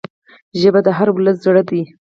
ژبه د هر ولس زړه ده